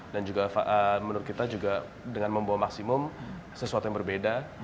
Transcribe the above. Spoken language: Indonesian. dan juga menurut kita dengan membawa maximum sesuatu yang berbeda